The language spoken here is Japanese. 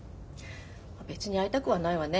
別に会いたくはないわね。